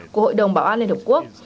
của hội đồng bảo an liên hợp quốc